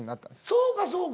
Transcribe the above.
そうかそうか。